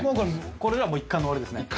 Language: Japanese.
これではもう一巻の終わりですね。